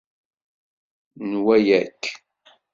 Nwala-k.